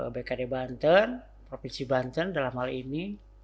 bkd banten provinsi banten dalam hal ini